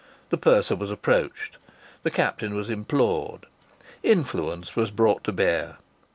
The purser was approached. The captain was implored. Influence was brought to bear.